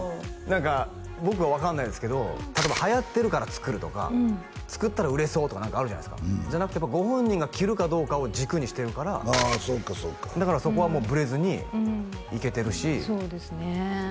何か僕は分かんないですけど例えばはやってるから作るとか作ったら売れそうとかあるじゃないですかじゃなくてご本人が着るかどうかを軸にしてるからだからそこはもうブレずにいけてるしそうですね